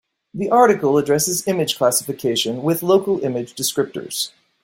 The article addresses image classification with local image descriptors.